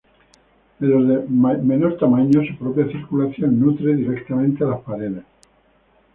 En los de menor tamaño, su propia circulación nutre directamente a las paredes.